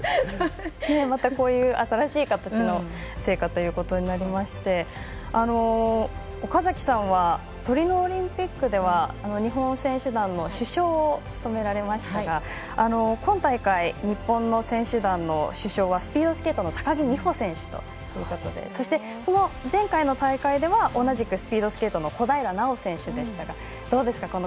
こういう新しい形の聖火ということになりまして岡崎さんはトリノオリンピックでは日本選手団の主将を務められましたが今大会、日本の選手団の主将はスピードスケートの高木美帆選手ということでそして、その前回の大会では同じくスピードスケートの小平奈緒選手でしたがどうですか？